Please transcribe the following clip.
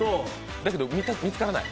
だけど見つからない？